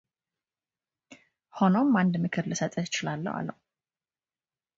ሆኖም አንድ ምክር ልሰጥህ እችላለሁ አለው፡፡